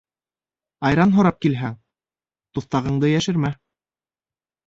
Айран һорап килһәң, туҫтағыңды йәшермә.